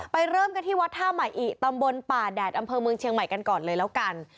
เริ่มกันที่วัดท่าใหม่อิตำบลป่าแดดอำเภอเมืองเชียงใหม่กันก่อนเลยแล้วกัน